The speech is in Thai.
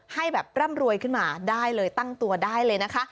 ให้แบบร่ำรวยขึ้นมาได้เลยตั้งตัวได้เลยนะคะ